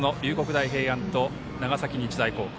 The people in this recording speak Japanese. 大平安と長崎日大高校。